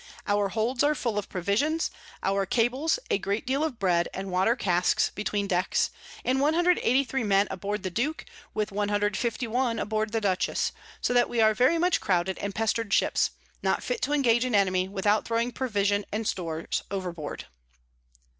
Our Holds are full of Provisions; our Cables, a great deal of Bread, and Water Casks between Decks; and 183 Men aboard the Duke, with 151 aboard the Dutchess: so that we are very much crouded and pester'd Ships, not fit to engage an Enemy without throwing Provision and Stores overboard.